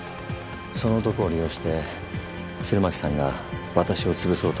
その男を利用して鶴巻さんが私を潰そうと。